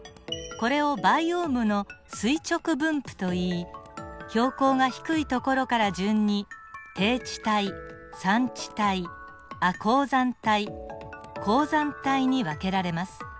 これをバイオームの垂直分布といい標高が低い所から順に低地帯山地帯亜高山帯高山帯に分けられます。